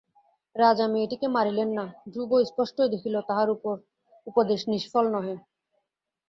রাজা মেয়েটিকে মারিলেন না, ধ্রুব স্পষ্টই দেখিল তাহার উপদেশ নিষ্ফল নহে।